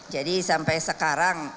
jadi sampai sekarang